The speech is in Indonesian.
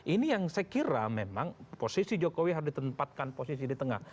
ini yang saya kira memang posisi jokowi harus ditempatkan posisi di tengah